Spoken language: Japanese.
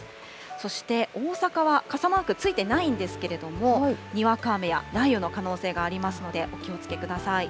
そして、大阪は傘マークついてないんですけれども、にわか雨や雷雨の可能性がありますのでお気をつけください。